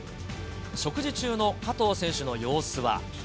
食事中の加藤選手の様子は。